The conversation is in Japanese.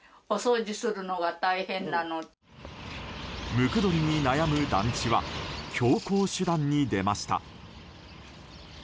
ムクドリに悩む団地は強硬手段に出ました。